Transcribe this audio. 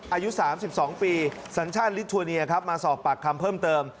อายุ๓๒ปีสัญชาติลิโทเนียครับมาสอบปากคำเพิ่มเติม